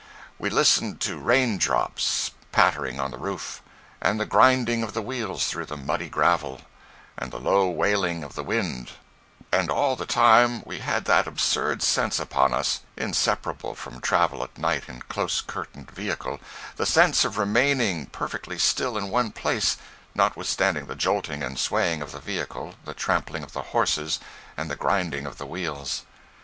We listened to rain drops pattering on the roof; and the grinding of the wheels through the muddy gravel; and the low wailing of the wind; and all the time we had that absurd sense upon us, inseparable from travel at night in a close curtained vehicle, the sense of remaining perfectly still in one place, notwithstanding the jolting and swaying of the vehicle, the trampling of the horses, and the grinding of the wheels.